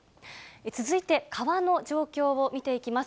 続いて、川の状況を見ていきます。